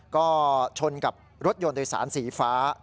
ก็ชนกับรถยนต์โดยสารสีฟ้า